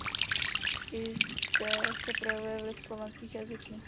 I zde se projevuje vliv slovanských jazyků.